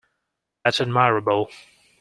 That's admirable